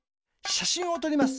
しゃしんをとります。